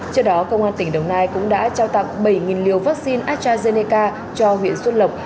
trước đó công an tỉnh đồng nai cũng đã trao tặng bảy liều vaccine astrazeneca cho huyện xuân lộc